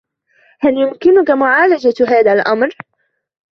هل يمكنك معالجة هذا الامر ؟